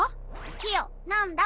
キヨ何だ？